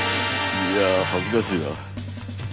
いや恥ずかしいな。